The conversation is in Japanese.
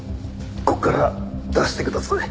ここから出してください。